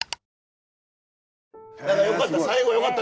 よかった。